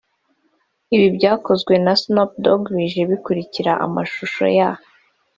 Ibi byakozwe na Snoop Dogg bije bikurikira amashusho ya